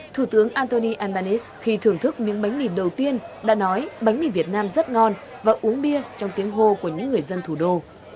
thủ tướng antony albanese khi thưởng thức miếng bánh mì đầu tiên đã nói bánh mì việt nam rất ngon và uống bia trong tiếng hô của những người dân thủ đô